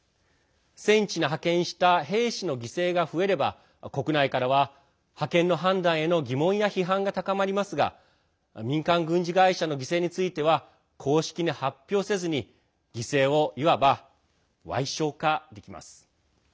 戦地に派遣した兵士の犠牲が増えれば国内からは派遣の判断への疑問や批判が高まりますが民間軍事会社の犠牲については公式に発表せずに犠牲をいわば、わい小化できます。